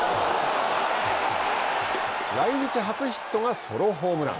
来日初ヒットがソロホームラン。